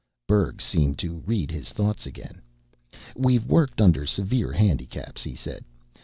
Berg seemed to read his thought again. "We've worked under severe handicaps," he said.